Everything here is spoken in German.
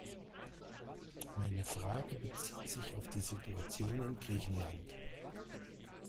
Meine Frage bezieht sich auf die Situation in Griechenland.